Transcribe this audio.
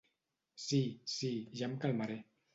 Si, si, ja em calmaré.